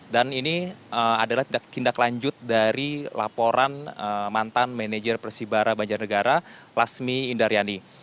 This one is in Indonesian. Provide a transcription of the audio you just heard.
dan ini adalah tindak lanjut dari laporan mantan manajer persibara banjarnegara lasmi indaryani